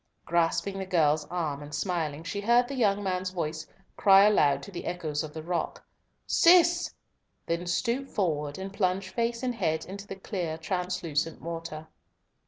Grasping the girl's arm and smiling, she heard the young man's voice cry aloud to the echoes of the rock, "Cis!" then stoop forward and plunge face and head into the clear translucent water.